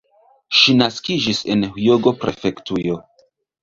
Ŝi naskiĝis en Hjogo-prefektujo.